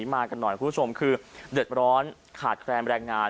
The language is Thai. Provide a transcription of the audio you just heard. มากันหน่อยครูสมคือเดิดร้อนขาดแครมแรงงาน